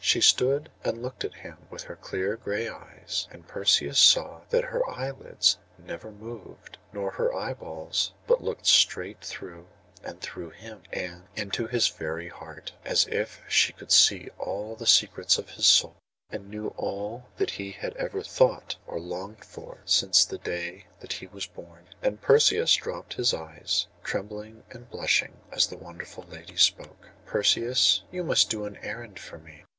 She stood and looked at him with her clear gray eyes; and Perseus saw that her eye lids never moved, nor her eyeballs, but looked straight through and through him, and into his very heart, as if she could see all the secrets of his soul, and knew all that he had ever thought or longed for since the day that he was born. And Perseus dropped his eyes, trembling and blushing, as the wonderful lady spoke. 'Perseus, you must do an errand for me.